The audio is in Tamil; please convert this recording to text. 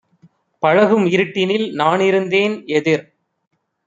பழகும் இருட்டினில் நானிருந்தேன் எதிர்